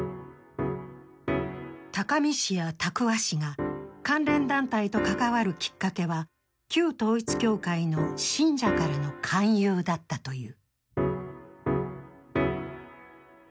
高見氏や多久和氏が関連団体と関わるきっかけは旧統一教会の信者からの勧誘だったという。